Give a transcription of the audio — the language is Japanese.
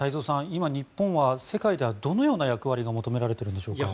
今、日本は世界ではどのような役割が求められているんでしょうか。